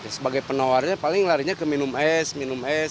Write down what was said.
sebagai penawarnya paling larinya ke minum es minum es